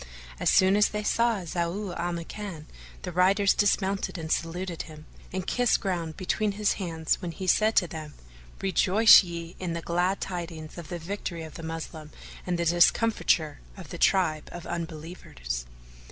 As soon as they saw Zau al Makan, the riders dismounted and saluted him, and kissed ground between his hands when he said to them, "Rejoice ye in the glad tidings of the victory of the Moslem and the discomfiture of the tribe of Unbelievers!"